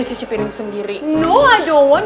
cuci piring sendiri no i don't want